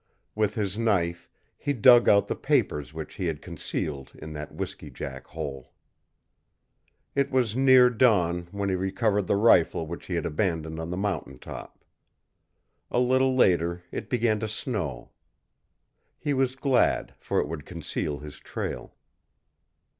With his knife he dug out the papers which he had concealed in that whisky jack hole. It was near dawn when he recovered the rifle which he had abandoned on the mountain top. A little later it began to snow. He was glad, for it would conceal his trail.